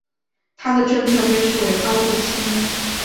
他的政策被视为高度亲英。